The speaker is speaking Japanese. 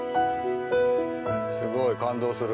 すごい。感動する。